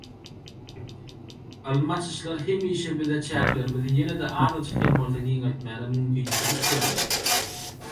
Ylmy açyşlar hemişe bize çäklerimizi ýene-de azajyk hem bolsa giňeltmäne mümkinçilik berdi.